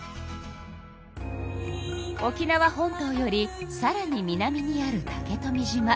沖縄本島よりさらに南にある竹富島。